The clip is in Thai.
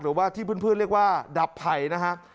หรือว่าที่เพื่อนเรียกว่าดับไผ่นะฮะ